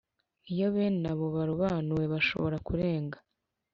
Iyo bene abo barobanuwe bashobora kurenga